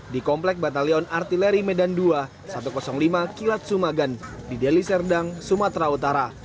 di komplek batalion artileri medan dua ribu satu ratus lima kilat sumagan di deli serdang sumatera utara